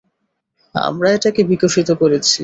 আমরা এটাকে বিকশিত করেছি।